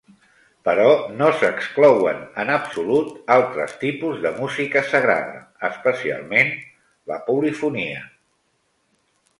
Però no s'exclouen en absolut altres tipus de música sagrada, especialment la polifonia...